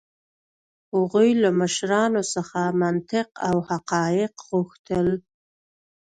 هغوی له مشرانو څخه منطق او حقایق غوښتل.